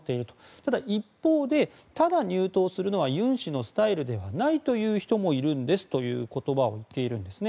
ただ、一方でただ入党するのはユン氏のスタイルではないという人もいるんですという言葉を言っているんですね。